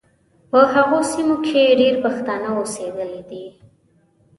په هغو سیمو کې ډېر پښتانه اوسېدلي دي.